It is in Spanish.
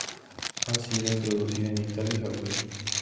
Ha sido introducida en Italia y Hawái.